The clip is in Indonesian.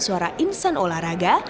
suara insan olahraga